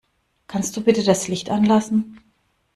Kannst du bitte das Licht anlassen?